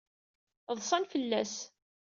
Ḍṣan fell-as.